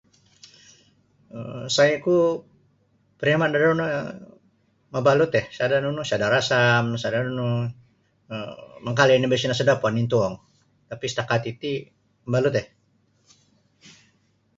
um Sai ku pariama da duno mabaluteh sada nunu sada rasam sada nunu um mangkali oni basino sodopon intuong tapi satakat titi mabalauteh.